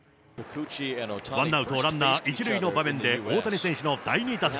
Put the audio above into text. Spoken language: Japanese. ワンアウトランナー１塁の場面で、大谷選手の第２打席。